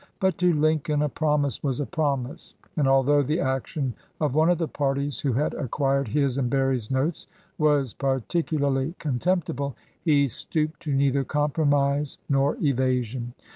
But to Lincoln a promise was a promise, and although the action of one of the parties who had acquired his and Berry's notes was particularly contemptible, he stooped to neither compromise nor evasion.